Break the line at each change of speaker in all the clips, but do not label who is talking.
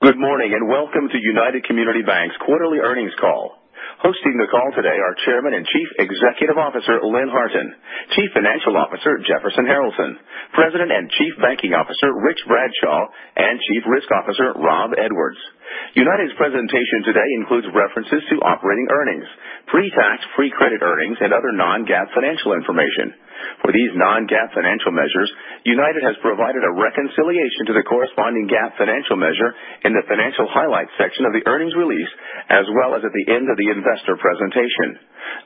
Good morning, and welcome to United Community Banks quarterly earnings call. Hosting the call today are Chairman and Chief Executive Officer, Lynn Harton, Chief Financial Officer, Jefferson Harralson, President and Chief Banking Officer, Rich Bradshaw, and Chief Risk Officer, Robert Edwards. United's presentation today includes references to operating earnings, pre-tax pre-provision earnings, and other non-GAAP financial information. For these non-GAAP financial measures, United has provided a reconciliation to the corresponding GAAP financial measure in the Financial Highlights section of the earnings release, as well as at the end of the investor presentation.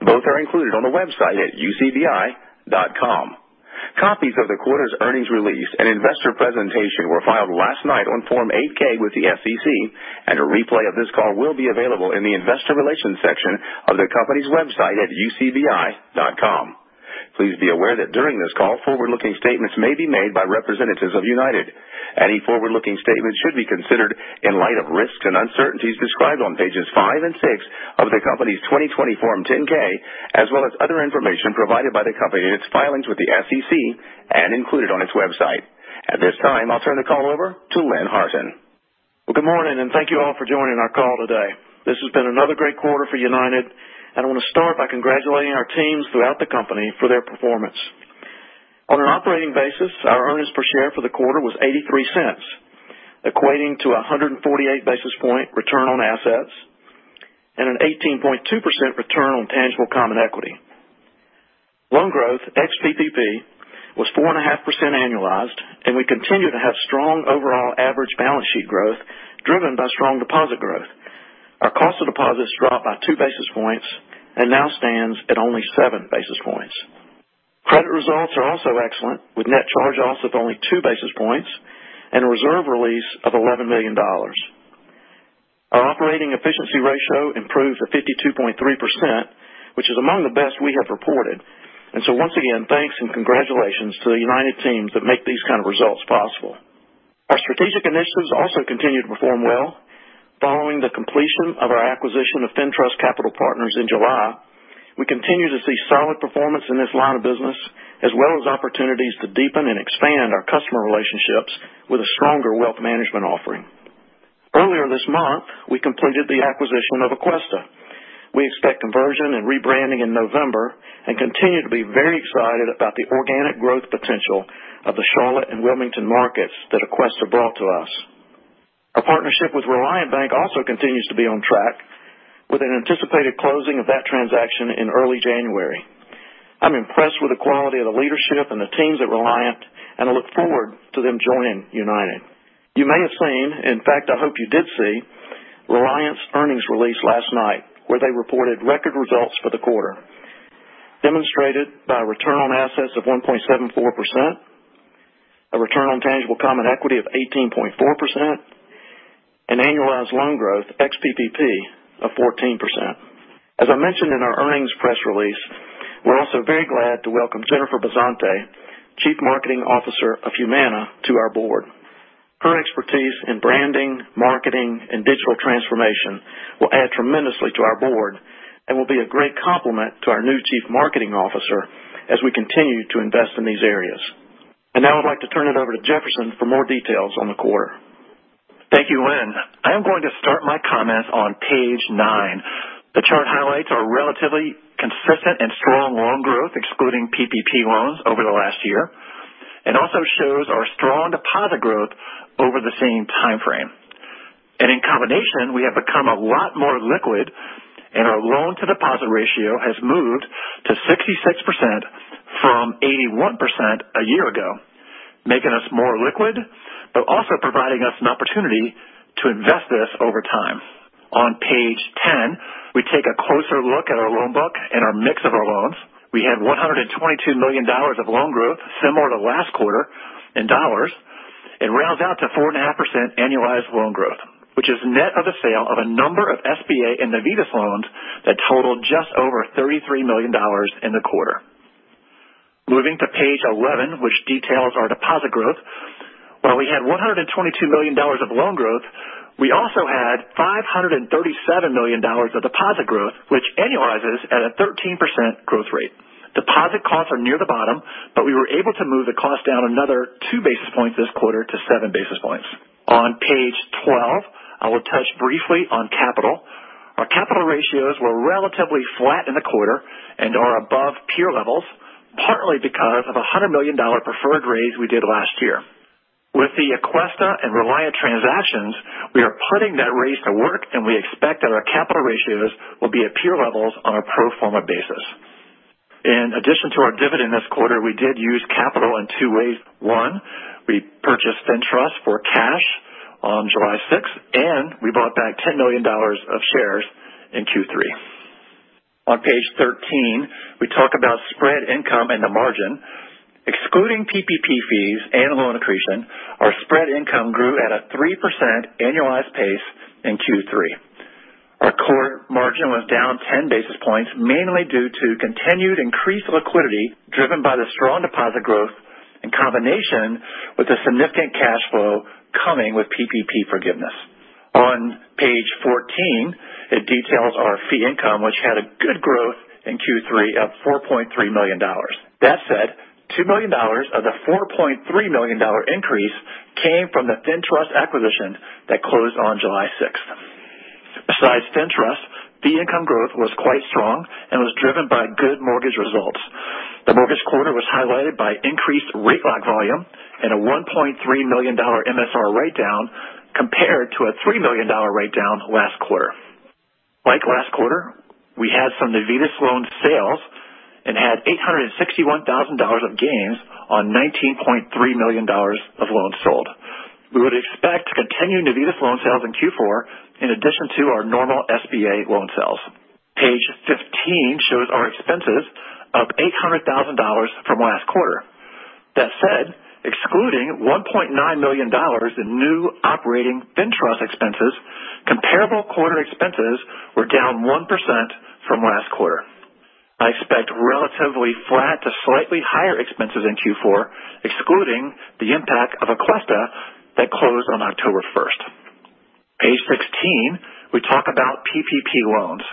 Both are included on the website at ucbi.com. Copies of the quarter's earnings release and investor presentation were filed last night on Form 8-K with the SEC, and a replay of this call will be available in the investor relations section of the company's website at ucbi.com. Please be aware that during this call, forward-looking statements may be made by representatives of United. Any forward-looking statements should be considered in light of risks and uncertainties described on pages 5 and 6 of the company's 2020 Form 10-K, as well as other information provided by the company in its filings with the SEC and included on its website, ucbi.com. At this time, I'll turn the call over to Lynn Harton.
Good morning, and thank you all for joining our call today. This has been another great quarter for United, and I want to start by congratulating our teams throughout the company for their performance. On an operating basis, our earnings per share for the quarter was $0.83, equating to 148 basis point return on assets and an 18.2% return on tangible common equity. Loan growth ex PPP was 4.5% annualized, and we continue to have strong overall average balance sheet growth driven by strong deposit growth. Our cost of deposits dropped by 2 basis points and now stands at only 7 basis points. Credit results are also excellent, with net charge-offs of only 2 basis points and a reserve release of $11 million. Our operating efficiency ratio improved to 52.3%, which is among the best we have reported. Once again, thanks and congratulations to the United teams that make these kind of results possible. Our strategic initiatives also continue to perform well. Following the completion of our acquisition of FinTrust Capital Partners in July, we continue to see solid performance in this line of business, as well as opportunities to deepen and expand our customer relationships with a stronger wealth management offering. Earlier this month, we completed the acquisition of Aquesta. We expect conversion and rebranding in November and continue to be very excited about the organic growth potential of the Charlotte and Wilmington markets that Aquesta brought to us. Our partnership with Reliant Bank also continues to be on track, with an anticipated closing of that transaction in early January. I'm impressed with the quality of the leadership and the teams at Reliant, and I look forward to them joining United. You may have seen, in fact, I hope you did see Reliant's earnings release last night, where they reported record results for the quarter, demonstrated by a return on assets of 1.74%, a return on tangible common equity of 18.4%, and annualized loan growth ex PPP of 14%. As I mentioned in our earnings press release, we're also very glad to welcome Jennifer Bazante, Chief Marketing Officer of Humana, to our board. Her expertise in branding, marketing, and digital transformation will add tremendously to our board and will be a great complement to our new chief marketing officer as we continue to invest in these areas. Now I'd like to turn it over to Jefferson for more details on the quarter.
Thank you, Lynn. I am going to start my comments on page 9. The chart highlights our relatively consistent and strong loan growth, excluding PPP loans over the last year, and also shows our strong deposit growth over the same time frame. In combination, we have become a lot more liquid and our loan-to-deposit ratio has moved to 66% from 81% a year ago, making us more liquid, but also providing us an opportunity to invest this over time. On page 10, we take a closer look at our loan book and our mix of our loans. We had $122 million of loan growth similar to last quarter in dollars. It rounds out to 4.5% annualized loan growth, which is net of the sale of a number of SBA and Navitas loans that totaled just over $33 million in the quarter. Moving to page 11, which details our deposit growth. While we had $122 million of loan growth, we also had $537 million of deposit growth, which annualizes at a 13% growth rate. Deposit costs are near the bottom, but we were able to move the cost down another 2 basis points this quarter to 7 basis points. On page 12, I will touch briefly on capital. Our capital ratios were relatively flat in the quarter and are above peer levels, partly because of $100 million preferred raise we did last year. With the Aquesta and Reliant transactions, we are putting that raise to work, and we expect that our capital ratios will be at peer levels on a pro forma basis. In addition to our dividend this quarter, we did use capital in 2 ways. One, we purchased FinTrust for cash on July 6th, and we bought back $10 million of shares in Q3. On page 13, we talk about spread income and the margin. Excluding PPP fees and loan accretion, our spread income grew at a 3% annualized pace in Q3. Our core margin was down 10 basis points, mainly due to continued increased liquidity driven by the strong deposit growth in combination with the significant cash flow coming with PPP forgiveness. On page 14, it details our fee income, which had a good growth in Q3 of $4.3 million. That said, $2 million of the $4.3 million increase came from the FinTrust acquisition that closed on July 6th. Besides FinTrust, fee income growth was quite strong and was driven by good mortgage results. The mortgage quarter was highlighted by increased rate lock volume and a $1.3 million MSR write-down compared to a $3 million write-down last quarter. Like last quarter, we had some Navitas loan sales and had $861,000 of gains on $19.3 million of loans sold. We would expect to continue Navitas loan sales in Q4 in addition to our normal SBA loan sales. Page 15 shows our expenses of $800,000 from last quarter. Excluding $1.9 million in new operating FinTrust expenses, comparable quarter expenses were down 1% from last quarter. I expect relatively flat to slightly higher expenses in Q4, excluding the impact of Aquesta that closed on October 1st. Page 16, we talk about PPP loans.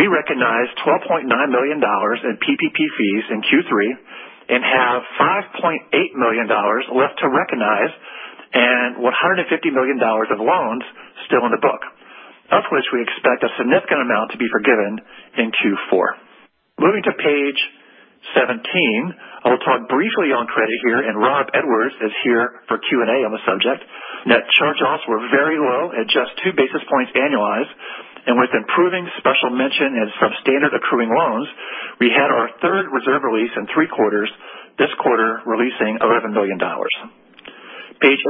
We recognized $12.9 million in PPP fees in Q3 and have $5.8 million left to recognize and $150 million of loans still on the book. Of which we expect a significant amount to be forgiven in Q4. Moving to page 17, I will talk briefly on credit here. Rob Edwards is here for Q&A on the subject. Net charge-offs were very low at just 2 basis points annualized. With improving special mention and substandard accruing loans, we had our third reserve release in 3 quarters this quarter, releasing $11 million. Page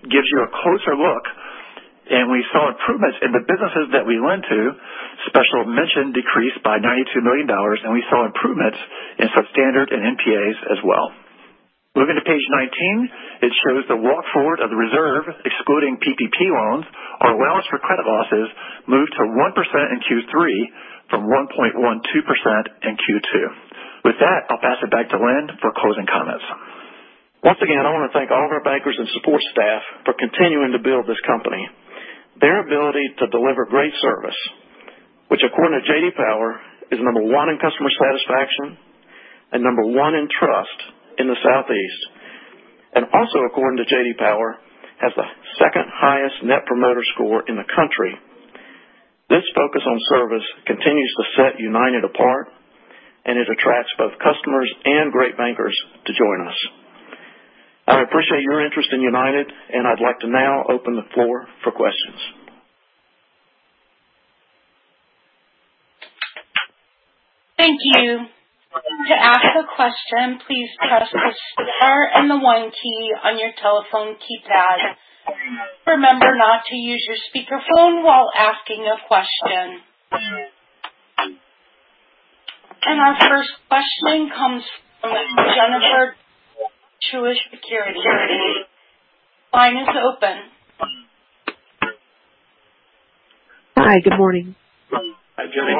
18 gives you a closer look. We saw improvements in the businesses that we lend to. Special mention decreased by $92 million. We saw improvements in substandard and NPAs as well. Moving to page 19, it shows the walk forward of the reserve excluding PPP loans. Our allowance for credit losses moved to 1% in Q3 from 1.12% in Q2. With that, I'll pass it back to Len for closing comments.
Once again, I want to thank all of our bankers and support staff for continuing to build this company. Their ability to deliver great service, which according to J.D. Power, is number 1 in customer satisfaction and number 1 in trust in the Southeast, and also according to J.D. Power, has the 2nd highest Net Promoter Score in the country. This focus on service continues to set United apart, and it attracts both customers and great bankers to join us. I appreciate your interest in United, and I'd like to now open the floor for questions.
Thank you. To ask a question, please press the star and the one key on your telephone keypad. Remember not to use your speakerphone while asking a question. Our first question comes from Jennifer Demba of Truist Securities. Line is open.
Hi. Good morning.
Hi, Jenny.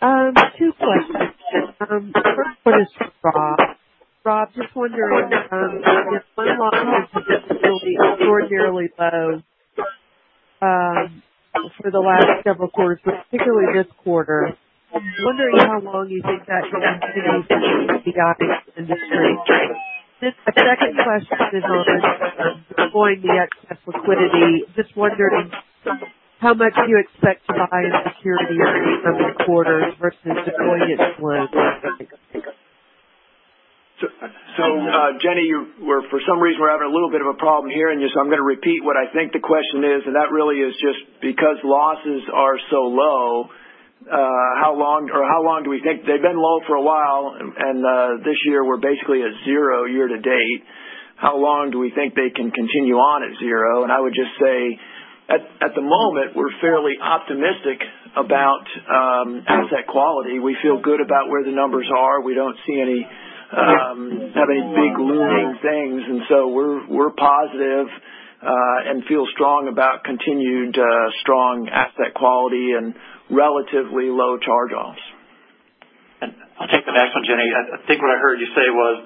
Good morning.
Two questions. First one is for Rob. Rob, just wondering, loan losses have been extraordinarily low for the last several quarters, particularly this quarter. I'm wondering how long you think that can continue vis-a-vis the industry. The second question is on deploying the excess liquidity. Just wondering how much you expect to buy in securities coming quarters versus deploying it where?
Jenny, for some reason, we're having a little bit of a problem hearing you, so I'm going to repeat what I think the question is, and that really is just because losses are so low, how long do we think They've been low for a while, and this year we're basically at 0 year to date. How long do we think they can continue on at 0? I would just say at the moment, we're fairly optimistic about asset quality. We feel good about where the numbers are. We don't see any big looming things, and so we're positive and feel strong about continued strong asset quality and relatively low charge-offs.
I'll take the next one, Jenny. I think what I heard you say was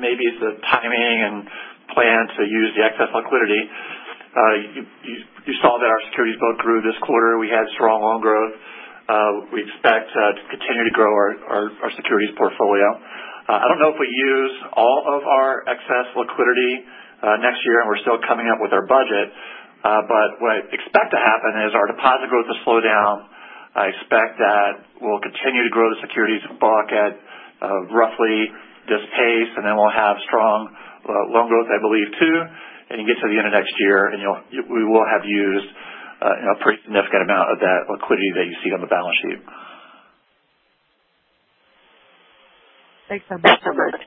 maybe it's the timing and plan to use the excess liquidity. You saw that our securities both grew this quarter. We had strong loan growth. We expect to continue to grow our securities portfolio. I don't know if we use all of our excess liquidity next year, and we're still coming up with our budget. What I expect to happen is our deposit growth will slow down. I expect that we'll continue to grow the securities bucket roughly this pace, and then we'll have strong loan growth, I believe too. You get to the end of next year, and we will have used a pretty significant amount of that liquidity that you see on the balance sheet.
Thanks so much.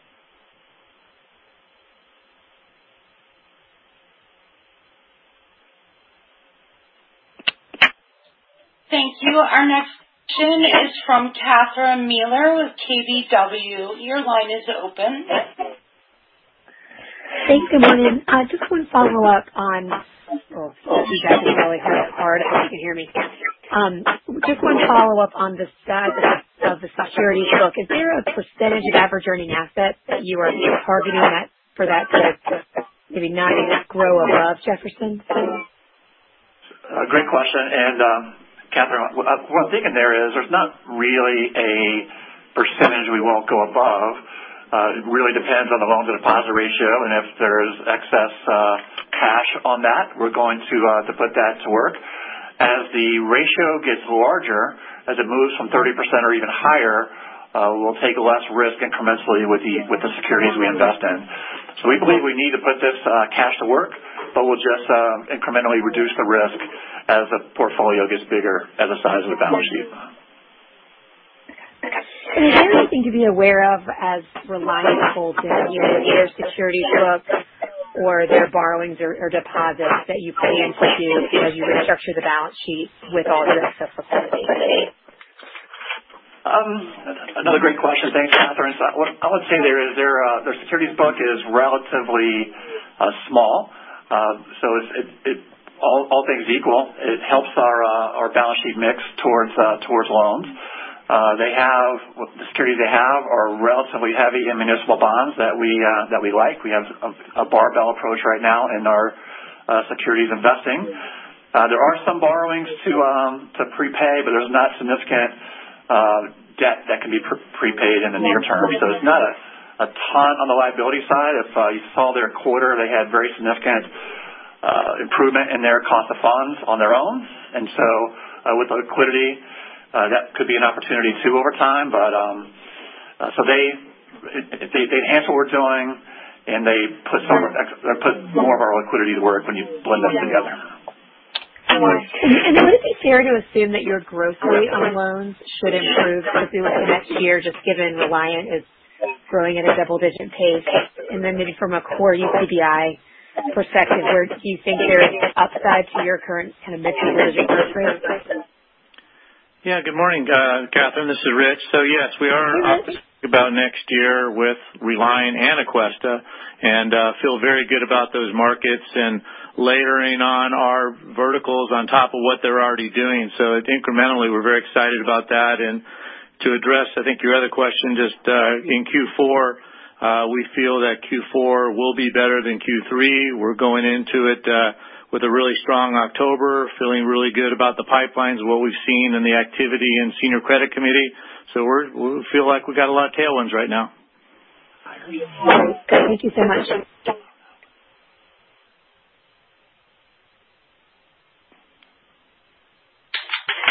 Thank you. Our next question is from Catherine Mealor with KBW. Your line is open.
Thanks. Good morning. I just want to follow up on Oh, you guys are really hard. I hope you can hear me. I just want to follow up on the security book. Is there a percentage of average earning assets that you are targeting for that to maybe not grow above Jefferson?
Great question. Catherine, what I'm thinking there is there's not really a percentage we won't go above. It really depends on the loans-to-deposit ratio, and if there's excess cash on that, we're going to put that to work. As the ratio gets larger, as it moves from 30% or even higher, we'll take less risk incrementally with the securities we invest in. We believe we need to put this cash to work, but we'll just incrementally reduce the risk as the portfolio gets bigger as a size of the balance sheet.
Okay. Is there anything to be aware of as Reliant holds in either their security book or their borrowings or deposits that you plan to do as you restructure the balance sheet with all the excess liquidity?
Another great question. Thanks, Catherine. I would say their securities book is relatively small. All things equal, it helps our balance sheet mix towards loans. The securities they have are relatively heavy in municipal bonds that we like. We have a barbell approach right now in our securities investing. There are some borrowings to prepay, but there's not significant debt that can be prepaid in the near term. It's not a ton on the liability side. If you saw their quarter, they had very significant improvement in their cost of funds on their own. With liquidity, that could be an opportunity too over time. They enhance what we're doing, and they put more of our liquidity to work when you blend them together.
Would it be fair to assume that your growth rate on loans should improve as we look to next year, just given Reliant is growing at a double-digit pace? Then maybe from a core UCBI perspective, do you think there's upside to your current kind of mid-single-digit growth rate?
Yeah. Good morning, Catherine. This is Rich. Yes, we are optimistic about next year with Reliant and Aquesta, and feel very good about those markets and layering on our verticals on top of what they're already doing. I think incrementally, we're very excited about that. To address, I think your other question, just in Q4, we feel that Q4 will be better than Q3. We're going into it with a really strong October, feeling really good about the pipelines, what we've seen and the activity in senior credit committee. We feel like we've got a lot of tailwinds right now.
I hear you. Thank you so much.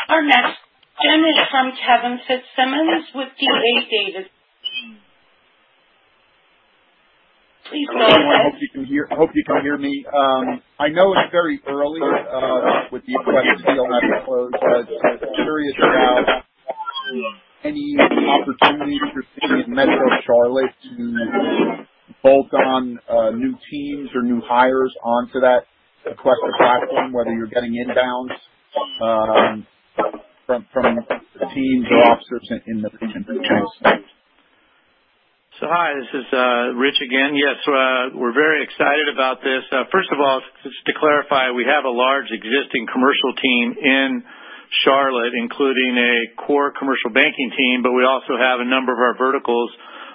Our next question is from Kevin Fitzsimmons with D.A. Davidson. Please go ahead.
Hello. I hope you can hear me. I know it's very early with the Aquesta deal having closed, but I was curious about any opportunities you're seeing in Metro Charlotte to bolt on new teams or new hires onto that Aquesta platform, whether you're getting inbounds from teams or officers in the region. Thanks.
Hi, this is Rich again. Yes. We're very excited about this. First of all, just to clarify, we have a large existing commercial team in Charlotte, including a core commercial banking team, but we also have a number of our verticals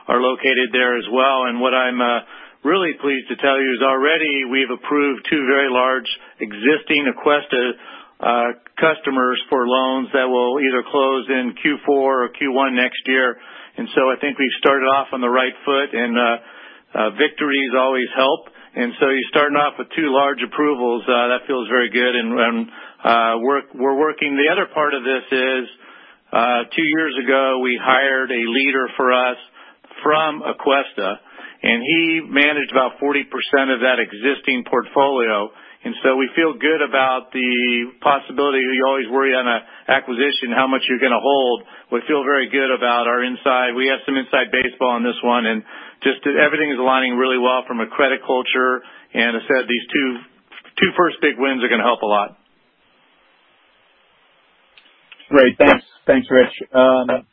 are located there as well. What I'm really pleased to tell you is already we've approved 2 very large existing Aquesta customers for loans that will either close in Q4 or Q1 next year. I think we've started off on the right foot, and victories always help. You're starting off with 2 large approvals. That feels very good. We're working. The other part of this is 2 years ago, we hired a leader for us from Aquesta, and he managed about 40% of that existing portfolio. We feel good about the possibility. You always worry on an acquisition how much you're going to hold. We feel very good about our inside. We have some inside baseball on this one, and just everything is aligning really well from a credit culture. As I said, these two first big wins are going to help a lot.
Great. Thanks, Rich.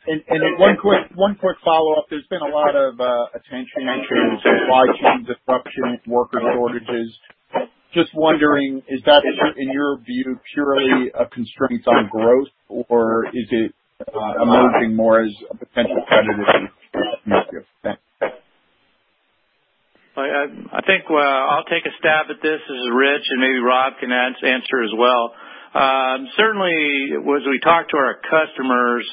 One quick follow-up. There's been a lot of attention to supply chain disruptions, worker shortages. Just wondering, is that, in your view, purely a constraint on growth, or is it emerging more as a potential credit issue? Thanks.
I think I'll take a stab at this. This is Rich, and maybe Rob can answer as well. Certainly, as we talk to our customers,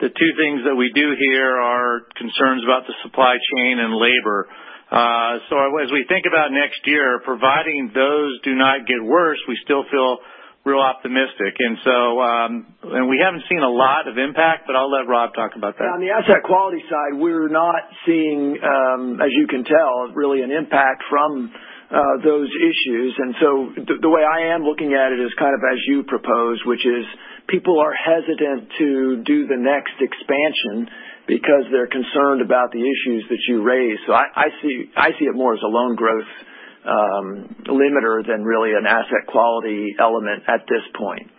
the two things that we do hear are concerns about the supply chain and labor. As we think about next year, providing those do not get worse, we still feel real optimistic. We haven't seen a lot of impact, but I'll let Rob talk about that.
On the asset quality side, we're not seeing, as you can tell, really an impact from those issues. The way I am looking at it is kind of as you proposed, which is people are hesitant to do the next expansion because they're concerned about the issues that you raised. I see it more as a loan growth limiter than really an asset quality element at this point.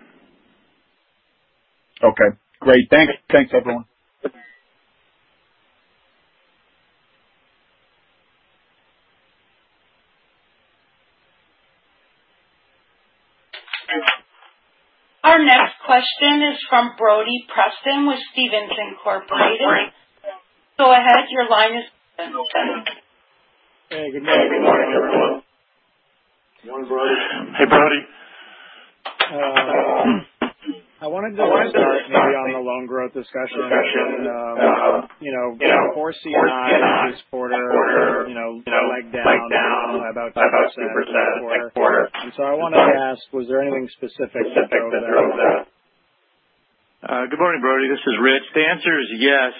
Okay, great. Thanks, everyone.
Our next question is from Brody Preston with Stephens Inc. Go ahead. Your line is open.
Hey, good morning everyone.
Good morning, Brody.
Hey, Brody.
I wanted to start maybe on the loan growth discussion. Core C&I this quarter, lagged down about 2% quarter-over-quarter. I wanted to ask, was there anything specific that drove that?
Good morning, Brody. This is Rich. The answer is yes.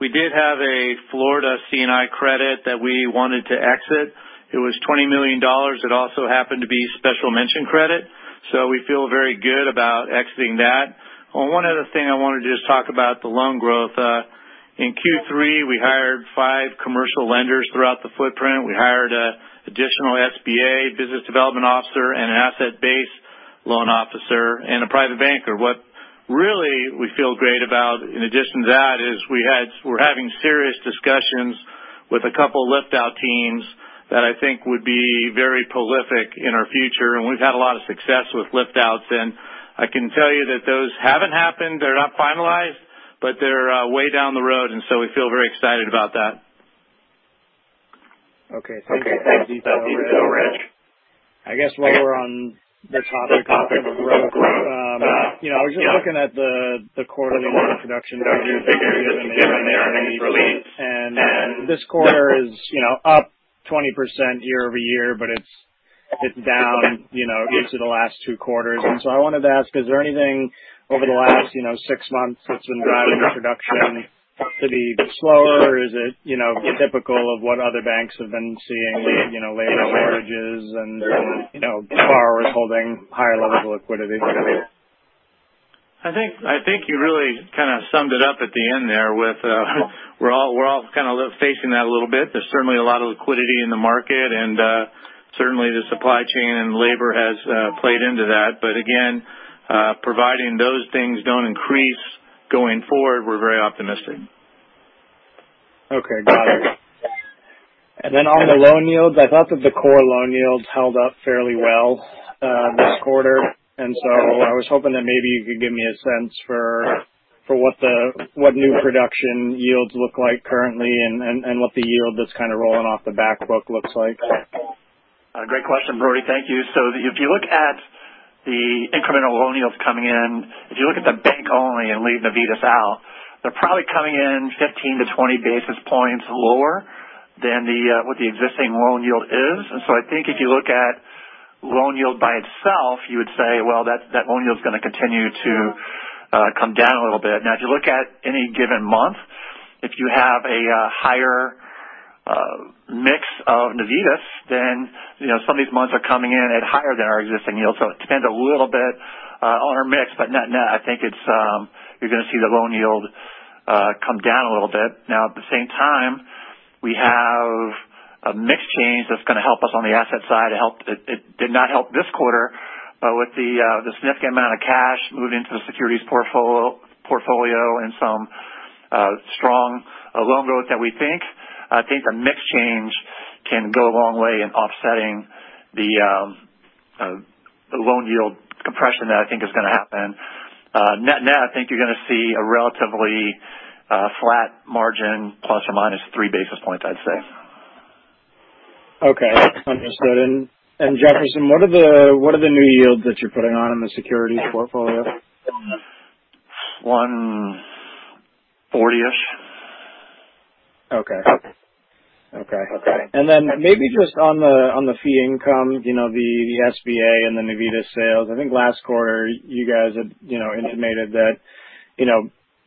We did have a Florida C&I credit that we wanted to exit. It was $20 million. It also happened to be special mention credit, so we feel very good about exiting that. 1 other thing I wanted to just talk about the loan growth. In Q3, we hired 5 commercial lenders throughout the footprint. We hired additional SBA business development officer and an asset-based loan officer and a private banker. What really we feel great about in addition to that is we're having serious discussions with a couple lift-out teams that I think would be very prolific in our future, and we've had a lot of success with lift-outs, and I can tell you that those haven't happened. They're not finalized, but they're way down the road, and so we feel very excited about that.
Okay. Thanks for the detail, Rich. I guess while we're on the topic of growth, I was just looking at the quarterly loan production figures that you gave in the earnings release. This quarter is up 20% year-over-year, but it's down into the last 2 quarters. I wanted to ask, is there anything over the last 6 months that's been driving production to be slower? Is it typical of what other banks have been seeing, later mortgages and borrowers holding higher levels of liquidity?
I think you really kind of summed it up at the end there with we're all kind of facing that a little bit. There's certainly a lot of liquidity in the market, and certainly the supply chain and labor has played into that. Again, providing those things don't increase going forward, we're very optimistic.
Okay, got it. On the loan yields, I thought that the core loan yields held up fairly well this quarter. I was hoping that maybe you could give me a sense for what new production yields look like currently and what the yield that's kind of rolling off the back book looks like.
Great question, Brody. Thank you. If you look at the incremental loan yields coming in, if you look at the bank only and leave Navitas out, they're probably coming in 15 to 20 basis points lower than what the existing loan yield is. I think if you look at loan yield by itself, you would say, well, that loan yield is going to continue to come down a little bit. If you look at any given month, if you have a higher mix of Navitas, then some of these months are coming in at higher than our existing yield. It depends a little bit on our mix, but net, I think you're going to see the loan yield come down a little bit. At the same time, we have a mix change that's going to help us on the asset side. It did not help this quarter. With the significant amount of cash moving into the securities portfolio and some strong loan growth, I think the mix change can go a long way in offsetting the loan yield compression that I think is going to happen. Net net, I think you're going to see a relatively flat margin ±3 basis points, I'd say.
Okay, understood. Jefferson, what are the new yields that you're putting on in the securities portfolio?
140-ish.
Okay. Maybe just on the fee income, the SBA and the Navitas sales, I think last quarter you guys had intimated that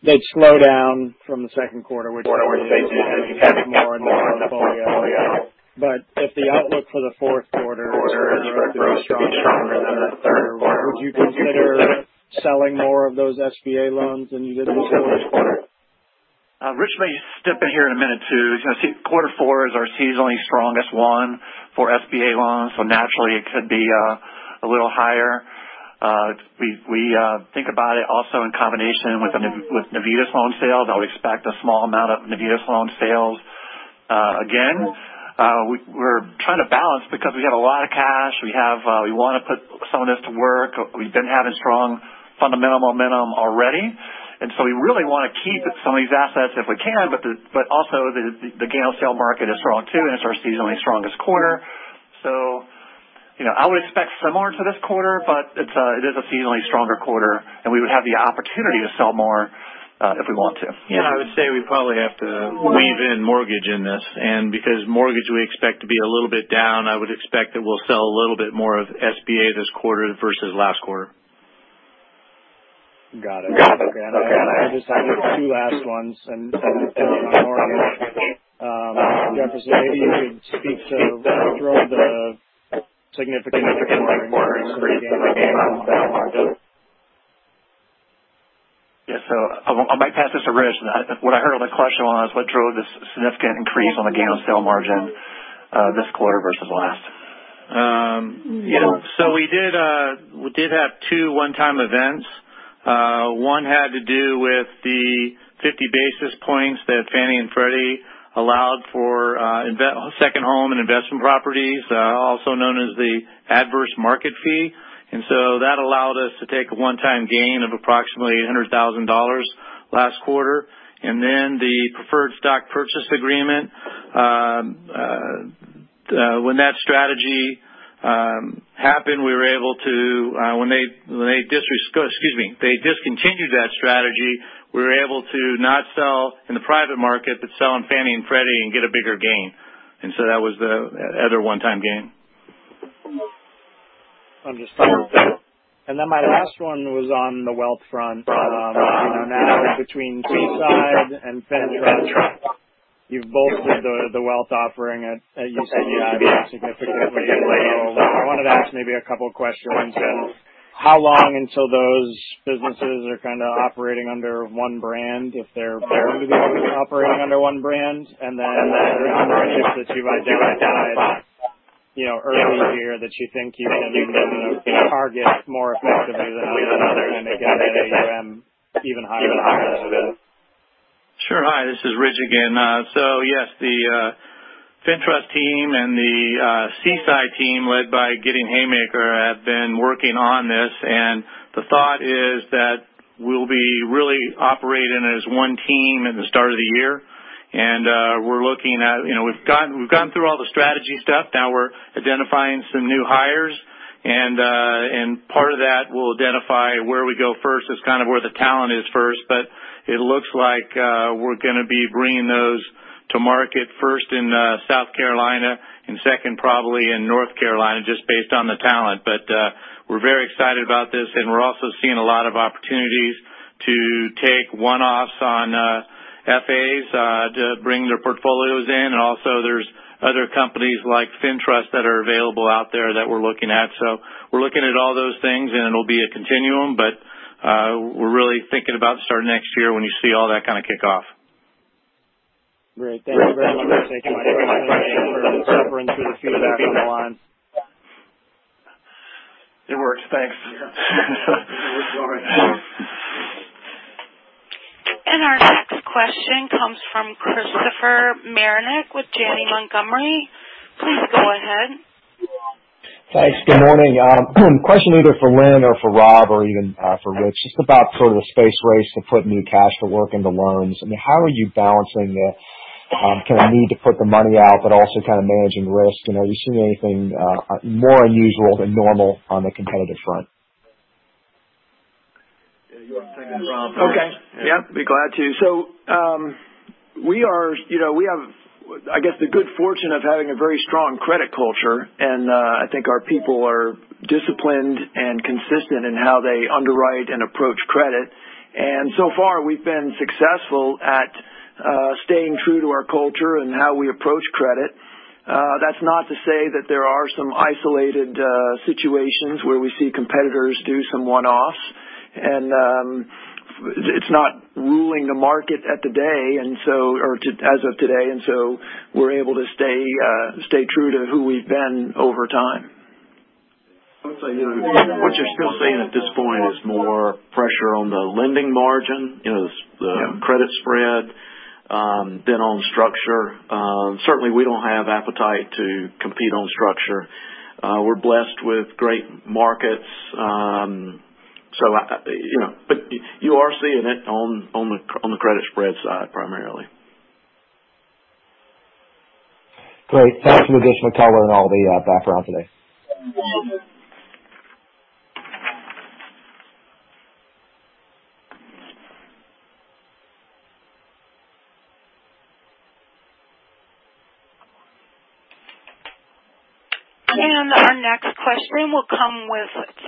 they'd slow down from the second quarter, which they did as you added more in the portfolio. If the outlook for the fourth quarter is for it to be stronger than the third quarter, would you consider selling more of those SBA loans than you did this quarter?
Rich may step in here in a minute, too. Quarter four is our seasonally strongest one for SBA loans, so naturally, it could be a little higher. We think about it also in combination with Navitas loan sales. I would expect a small amount of Navitas loan sales. Again, we're trying to balance because we got a lot of cash. We want to put some of this to work. We've been having strong fundamental momentum already, and so we really want to keep some of these assets if we can. Also, the gain on sale market is strong too, and it's our seasonally strongest quarter. I would expect similar to this quarter, but it is a seasonally stronger quarter, and we would have the opportunity to sell more if we want to.
Yeah, I would say we probably have to weave in mortgage in this. Because mortgage we expect to be a little bit down, I would expect that we'll sell a little bit more of SBA this quarter versus last quarter.
Got it. Okay. I just have two last ones. On mortgage, Jefferson, maybe you could speak to what drove the significant increase in the gain on sale margin.
Yeah. I might pass this to Rich. What I heard on the question was what drove this significant increase on the gain on sale margin this quarter versus last?
We did have 2 one-time events. One had to do with the 50 basis points that Fannie and Freddie allowed for second home and investment properties, also known as the adverse market fee. That allowed us to take a one-time gain of approximately $100,000 last quarter. Then the Preferred Stock Purchase Agreement, when that strategy happened, when they discontinued that strategy, we were able to not sell in the private market, but sell in Fannie and Freddie and get a bigger gain. That was the other one-time gain.
Understood. My last one was on the wealth front. I know now between Seaside and FinTrust, you've bolstered the wealth offering at UCBI significantly. I wanted to ask maybe a couple questions. How long until those businesses are kind of operating under one brand, if they're going to be operating under one brand? The other initiatives that you identified early here that you think you can even get to the target more effectively than others and then get AUM even higher than that.
Sure. Hi, this is Rich again. Yes, the FinTrust team and the Seaside team, led by Gideon Haymaker, have been working on this, and the thought is that we'll be really operating as one team at the start of the year. We've gone through all the strategy stuff. Now we're identifying some new hires, and part of that will identify where we go first. It's kind of where the talent is first. It looks like we're going to be bringing those to market first in South Carolina and second, probably in North Carolina, just based on the talent. We're very excited about this, and we're also seeing a lot of opportunities to take one-offs on FAs to bring their portfolios in. Also there's other companies like FinTrust that are available out there that we're looking at. We're looking at all those things, and it'll be a continuum, but we're really thinking about starting next year when you see all that kind of kick off.
Great. Thank you very much for taking my questions. I heard the suffering through the feedback on the line.
It works. Thanks.
It works all right.
Our next question comes from Christopher Marinac with Janney Montgomery. Please go ahead.
Thanks. Good morning. Question either for Lynn Harton or for Robert Edwards or even for Rich Bradshaw, just about sort of the space race to put new cash to work into loans. How are you balancing the kind of need to put the money out, but also kind of managing risk? Are you seeing anything more unusual than normal on the competitive front?
Yeah, you want to take it, Rob?
Okay. Yep, be glad to. We have, I guess, the good fortune of having a very strong credit culture, and I think our people are disciplined and consistent in how they underwrite and approach credit. So far, we've been successful at staying true to our culture and how we approach credit. That's not to say that there are some isolated situations where we see competitors do some one-offs, and it's not ruling the market as of today. We're able to stay true to who we've been over time.
I would say what you're still seeing at this point is more pressure on the lending margin, the credit spread than on structure. Certainly, we don't have appetite to compete on structure. We're blessed with great markets. You are seeing it on the credit spread side, primarily.
Great. Thanks for the additional color and all the background today.
Our next question will come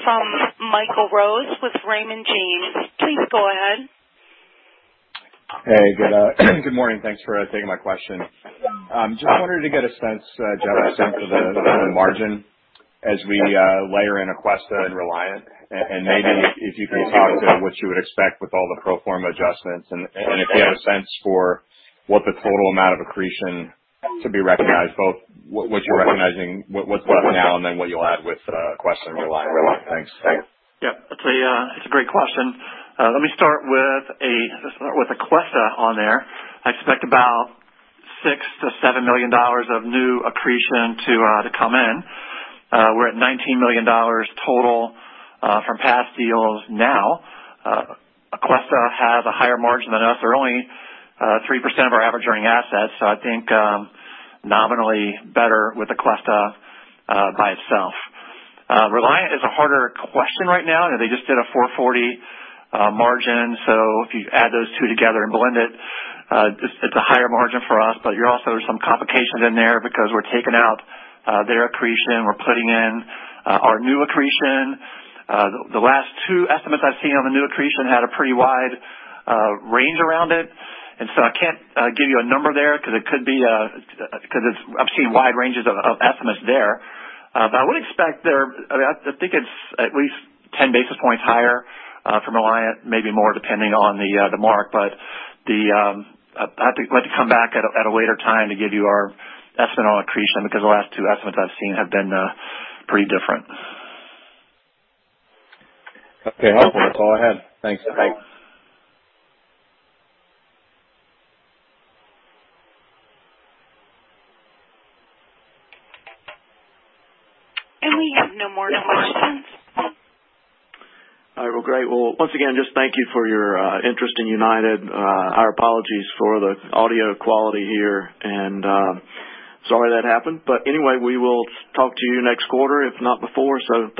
from Michael Rose with Raymond James. Please go ahead.
Hey. Good morning. Thanks for taking my question. Just wanted to get a sense, Jeff, just in terms of the margin as we layer in Aquesta and Reliant. Maybe if you could talk to what you would expect with all the pro forma adjustments and if you have a sense for what the total amount of accretion to be recognized, both what you're recognizing, what's done now, and then what you'll add with Aquesta and Reliant. Thanks.
Yep. It's a great question. Let me start with Aquesta on there. I expect about $6 million-$7 million of new accretion to come in. We're at $19 million total from past deals now. Aquesta has a higher margin than us. They're only 3% of our average earning assets, so I think nominally better with Aquesta by itself. Reliant is a harder question right now. They just did a 440 margin. If you add those two together and blend it's a higher margin for us. There's some complications in there because we're taking out their accretion. We're putting in our new accretion. The last 2 estimates I've seen on the new accretion had a pretty wide range around it. I can't give you a number there because I've seen wide ranges of estimates there. I would expect there, I think it's at least 10 basis points higher from Reliant, maybe more depending on the mark. I'd like to come back at a later time to give you our estimate on accretion because the last two estimates I've seen have been pretty different.
Okay. Helpful. That's all I had. Thanks.
Okay.
We have no more questions.
All right. Well, great. Well, once again, just thank you for your interest in United. Our apologies for the audio quality here, and sorry that happened. Anyway, we will talk to you next quarter, if not before. Thank you.